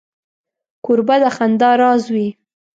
کوربه د خندا راز وي.